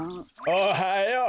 おはよう。